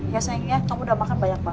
ya sayangnya kamu udah makan banyak banyak